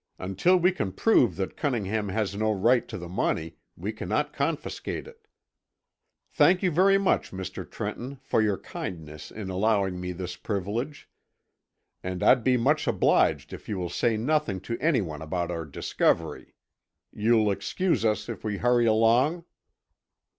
Until we can prove that Cunningham has no right to the money, we cannot confiscate it. Thank you very much, Mr. Trenton, for your kindness in allowing me this privilege, and I'd be much obliged if you will say nothing to anyone about our discovery. You'll excuse us if we hurry along?"